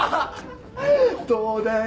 どうだい？